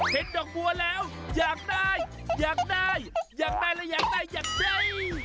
ดอกบัวแล้วอยากได้อยากได้อยากได้และอยากได้อยากได้